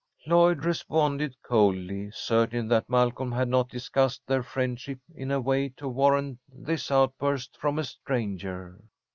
Lloyd responded coldly, certain that Malcolm had not discussed their friendship in a way to warrant this outburst from a stranger.